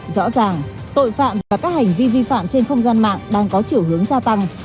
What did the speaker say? rõ ràng tội phạm và các hành vi vi phạm trên không gian mạng đang có chiều hướng gia tăng